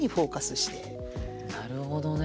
なるほどね。